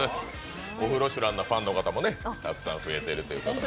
「オフロシュラン」のファンの方もたくさん増えているということで。